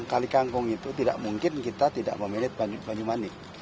kali kangkung itu tidak mungkin kita tidak memilih banyumanik